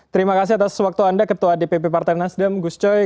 terima kasih atas waktu anda ketua dpp partai nasdem gus coy